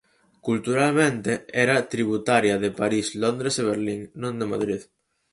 Culturalmente era tributaria de París, Londres e Berlín, non de Madrid.